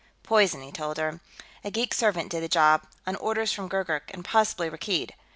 "Poison," he told her. "A geek servant did the job, on orders from Gurgurk and possibly Rakkeed.